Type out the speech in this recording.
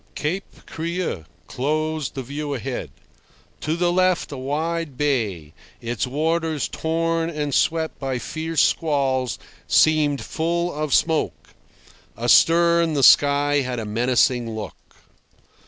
Cape Creux closed the view ahead. To the left a wide bay, its waters torn and swept by fierce squalls, seemed full of smoke. Astern the sky had a menacing look.